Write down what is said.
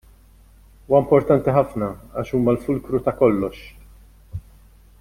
Huma importanti ħafna għax huma l-fulkru ta' kollox.